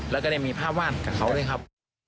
แล้วก็ได้มีภาพวาดกับเขาด้วยครับ